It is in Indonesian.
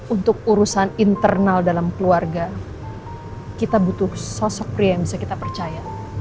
untuk urusan internal dalam keluarga kita butuh sosok pria yang bisa kita percaya